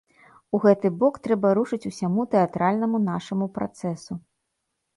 У гэты бок трэба рушыць усяму тэатральнаму нашаму працэсу.